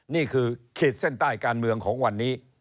นี่คือขีดเส้นใต้การเมืองของวันนี้